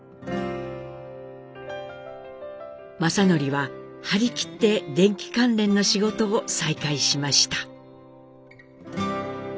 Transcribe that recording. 正徳は張り切って電気関連の仕事を再開しました。